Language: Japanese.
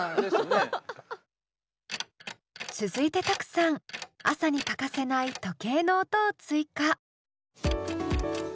続いてＴＡＫＵさん朝に欠かせない時計の音を追加。